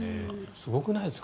すごくないですか？